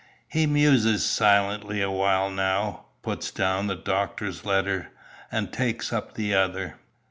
'" He muses silently awhile now, puts down the doctor's letter, and takes up the other.